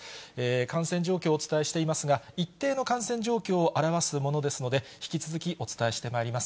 感染状況をお伝えしていますが、一定の感染状況を表すものですので、引き続き、お伝えしてまいります。